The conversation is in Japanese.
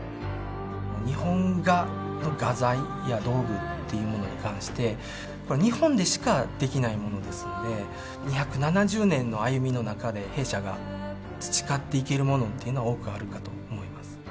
日本画の画材や道具っていうものに関して、これ、日本でしか出来ないものですので、２７０年の歩みの中で、弊社が培っていけるものっていうのは多くあるかと思います。